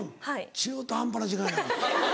中途半端な時間。